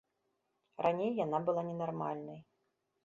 Раней яна была ненармальнай.